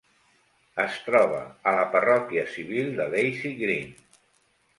Es troba a la parròquia civil de Lacey Green.